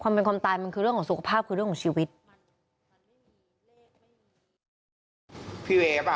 ความเป็นความตายมันคือเรื่องของสุขภาพ